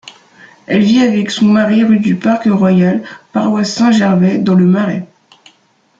Elle vit avec son mari rue du Parc-Royal, paroisse Saint-Gervais, dans Le Marais.